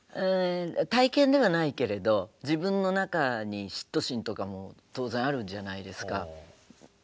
体験ではないけれど自分の中に嫉妬心とかも当然あるんじゃないですか。